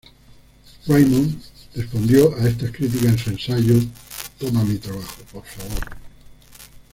Raymond respondió a estas críticas en su ensayo "¡Toma mi trabajo, por favor!